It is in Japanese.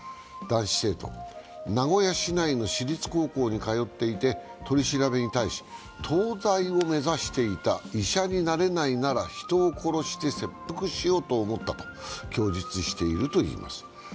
男子生徒は名古屋市内の私立高校に通っていて取り調べに対し、東大を目指していた、医者になれないなら人を殺して切腹しようと思ったと供述しているといいます。